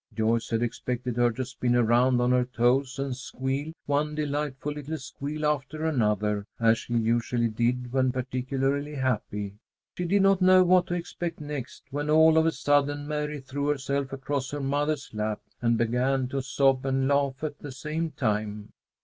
Joyce had expected her to spin around on her toes and squeal one delighted little squeal after another, as she usually did when particularly happy. She did not know what to expect next, when all of a sudden Mary threw herself across her mother's lap and began to sob and laugh at the same time.